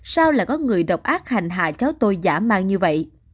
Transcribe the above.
sao là có người độc ác hành hạ cháu tôi dã man như vậy